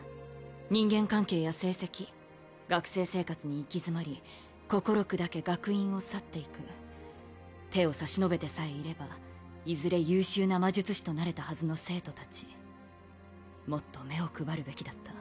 人間関係や成績学生生活に行き詰まり心砕け学院を去っていく手を差し伸べてさえいればいずれ優秀な魔術師となれたはずの生徒達もっと目を配るべきだった